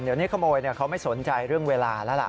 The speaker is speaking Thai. เดี๋ยวนี้ขโมยเขาไม่สนใจเรื่องเวลาแล้วล่ะ